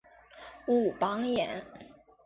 武榜眼。